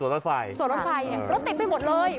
สวนรถไฟรถติดไปหมดเลย